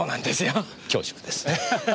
恐縮です。